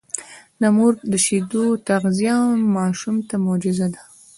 د مور د شیدو تغذیه ماشوم ته معجزه ده.